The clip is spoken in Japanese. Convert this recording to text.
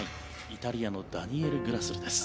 イタリアのダニエル・グラスルです。